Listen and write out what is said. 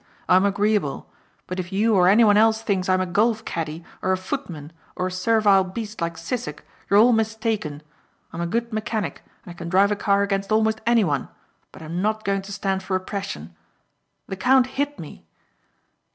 I'm agreeable. But if you or anyone else thinks I'm a golf caddie or a footman or a servile beast like Sissek you're all mistaken. I'm a good mechanic and I can drive a car against almost anyone but I'm not going to stand for oppression. The count hit me."